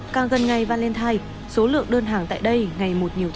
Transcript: càng gần ngày valentine số lượng đơn hàng tại đây ngày mùa